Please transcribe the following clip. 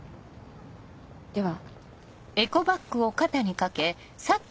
では。